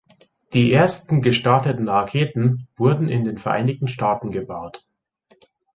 Die ersten gestarteten Raketen wurden in den Vereinigten Staaten gebaut.